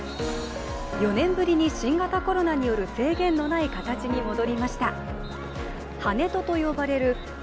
４年ぶりに新型コロナによる制限のない形に戻りました。